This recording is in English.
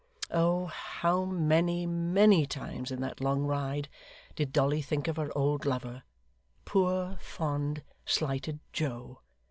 Oh, how many, many times, in that long ride, did Dolly think of her old lover, poor, fond, slighted Joe!